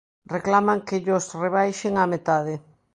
Reclaman que llos rebaixen á metade.